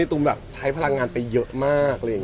ตุ้มแบบใช้พลังงานไปเยอะมาก